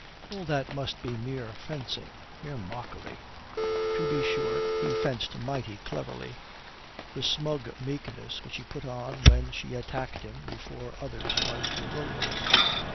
All that must be mere fencing, mere mockery. To be sure, he fenced mighty cleverly. The smug meekness which he put on when she attacked him before others was bewildering.